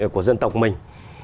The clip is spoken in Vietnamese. của dân tộc mình